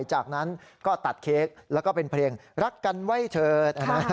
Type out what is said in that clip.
จากนั้นก็ตัดเค้กแล้วก็เป็นเพลงรักกันไว้เถิด